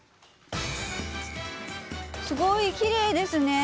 すごいきれいですね。